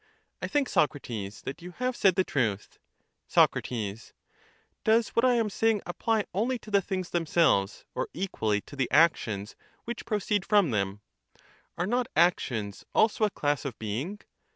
I think, Socrates, that you have said the truth. _. Things and Sac. Does what I am saying apply only to the things actions ha%e themselves, or equally to the actions which proceed from '^^"'°"'",. proper nature, them? Are not actions also a class of being?